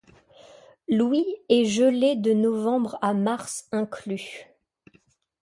L'Ouï est gelée de novembre à mars inclus.